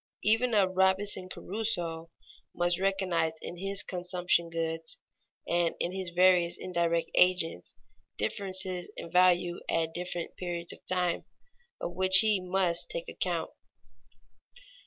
Even a Robinson Crusoe must recognize in his consumption goods and in his various indirect agents differences in value at different periods of time, of which he must take account.